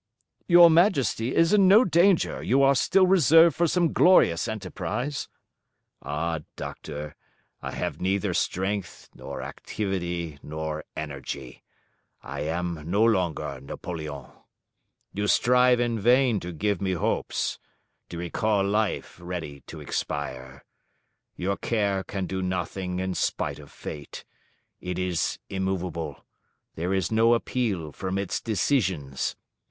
"Your Majesty is in no danger: you are still reserved for some glorious enterprise." "Ah, Doctor! I have neither strength nor activity nor energy; I am no longer Napoleon. You strive in vain to give me hopes, to recall life ready to expire. Your care can do nothing in spite of fate: it is immovable: there is no appeal from its decisions.